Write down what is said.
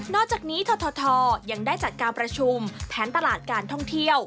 อกจากนี้ททยังได้จัดการประชุมแผนตลาดการท่องเที่ยว